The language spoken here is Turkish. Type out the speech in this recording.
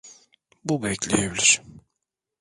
Bu bekleyebilir.